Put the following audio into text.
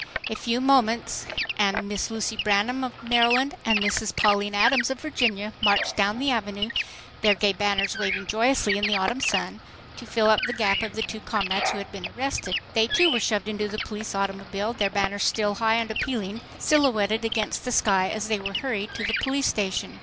A few moments and Miss Lucy Branham of Maryland and Mrs. Pauline Adams of Virginia marched down the Avenue, their gay banners waving joyously in the autumn sun, to fill up the gap of the two comrades who had been arrested. They, too, were shoved into the police automobile, their banners still high and appealing, silhouetted against the sky as they were hurried to the police station.